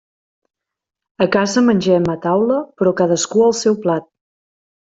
A casa mengem a taula, però cadascú al seu plat.